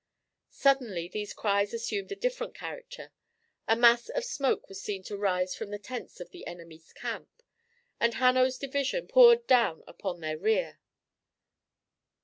Suddenly these cries assumed a different character. A mass of smoke was seen to rise from the tents of the enemy's camp, and Hanno's division poured down upon their rear.